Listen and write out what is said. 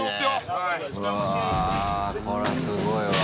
これはすごいわ。